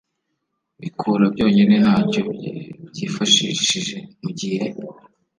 bikura byonyine ntacyo byifashishije, mu gihe